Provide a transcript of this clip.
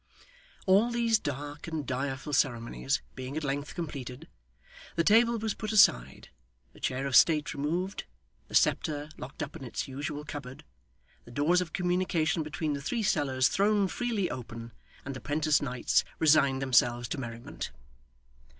All these dark and direful ceremonies being at length completed, the table was put aside, the chair of state removed, the sceptre locked up in its usual cupboard, the doors of communication between the three cellars thrown freely open, and the 'Prentice Knights resigned themselves to merriment.